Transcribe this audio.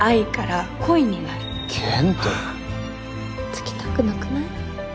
つきたくなくない？